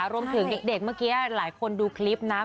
รวมถึงเด็กเมื่อกี้หลายคนดูคลิปนะ